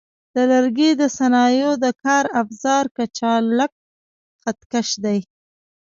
د لرګي د صنایعو د کار افزار کچالک خط کش دی.